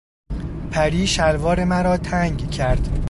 پری شلوار مرا تنگ کرد.